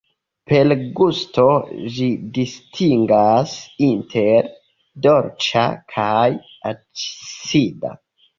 Per gusto ĝi distingas inter dolĉa kaj acida.